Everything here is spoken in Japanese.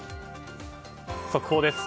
速報です。